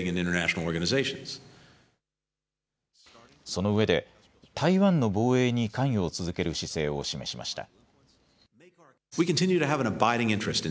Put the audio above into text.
そのうえで台湾の防衛に関与を続ける姿勢を示しました。